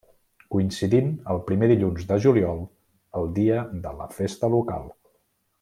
Coincidint el primer dilluns de juliol el dia de la festa local.